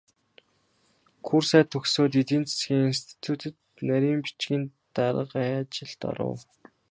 Курсээ төгсөөд эдийн засгийн институцэд нарийн бичгийн даргын ажилд оров.